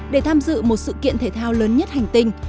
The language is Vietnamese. để tham dự một sự kiện thể thao lớn nhất hành tinh